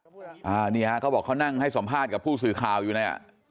มคนี่เขาบอกให้นั่งสัมภาษณ์กับผู้สื่อคาวอยู่นั่น